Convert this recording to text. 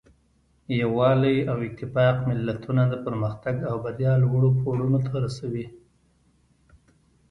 یووالی او اتفاق ملتونه د پرمختګ او بریا لوړو پوړونو ته رسوي.